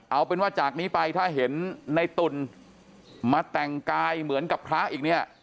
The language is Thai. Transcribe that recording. เอาเป็นว่าจากนี้ไปถ้าเห็นในตุ่นมาแต่งกายเหมือนกับพระอีกเนี่ย